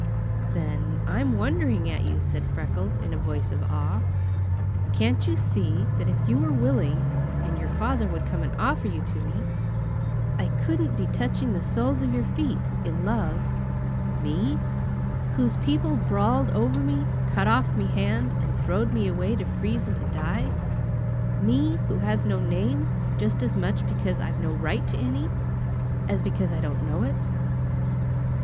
"Then I'm wondering at you," said Freckles in a voice of awe. "Can't you see that if you were willing and your father would come and offer you to me, I couldn't be touching the soles of your feet, in love me, whose people brawled over me, cut off me hand, and throwed me away to freeze and to die! Me, who has no name just as much because I've no RIGHT to any, as because I don't know it.